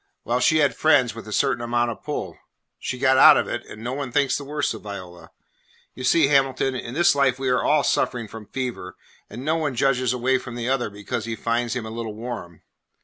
Well, she had friends with a certain amount of pull. She got out of it, and no one thinks the worse of Viola. You see, Hamilton, in this life we are all suffering from fever, and no one edges away from the other because he finds him a little warm.